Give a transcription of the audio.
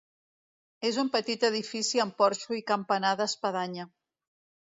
És un petit edifici amb porxo i campanar d'espadanya.